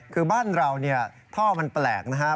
คือบ้านเราเนี่ยท่อมันแปลกนะครับ